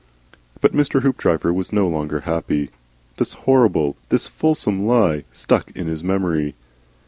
But Mr. Hoopdriver was no longer happy. This horrible, this fulsome lie, stuck in his memory.